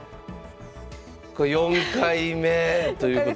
これ４回目ということで。